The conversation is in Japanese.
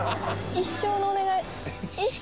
一生のお願い！